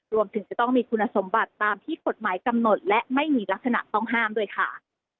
รวมถึงจะต้องมีคุณสมบัติตามที่กฎหมายกำหนดและไม่มีลักษณะต้องห้ามด้วยค่ะ